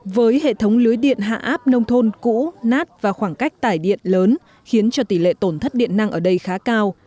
với hệ thống lưới điện hạ áp nông thôn cũ nát và khoảng cách tải điện lớn khiến cho tỷ lệ tổn thất điện năng ở đây khá cao